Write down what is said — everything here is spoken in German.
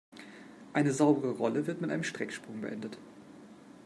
Eine saubere Rolle wird mit einem Strecksprung beendet.